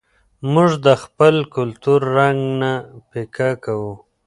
موږ د خپل کلتور رنګ نه پیکه کوو.